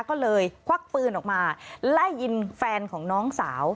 ก็เลยควักปืนออกมาไล่ยิงแฟนของน้องสาว